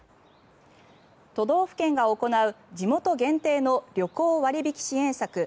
都道府県が行う地元限定の旅行割引支援策